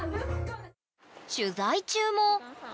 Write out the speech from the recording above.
取材中もわ